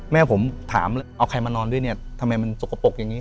แม่ผมถามเอาใครมานอนด้วยเนี่ยทำไมมันสกปรกอย่างนี้